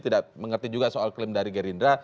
tidak mengerti juga soal klaim dari gerindra